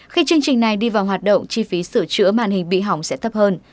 khi chương trình này đi vào hoạt động chi phí sửa chữa màn hình bị hỏng sẽ thấp hơn